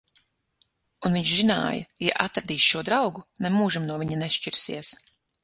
Un viņš zināja: ja atradīs šo draugu, nemūžam no viņa nešķirsies.